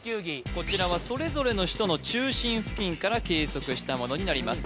こちらはそれぞれの首都の中心付近から計測したものになります